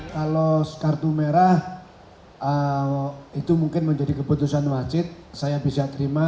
kalau kartu merah itu mungkin menjadi keputusan wajib saya bisa terima